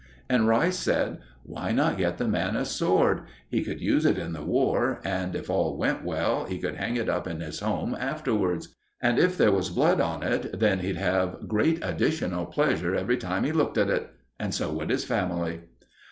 And Rice said: "Why not get the man a sword? He could use it in the War, and, if all went well, he could hang it up in his home afterwards; and if there was blood on it, then he'd have great additional pleasure every time he looked at it. And so would his family."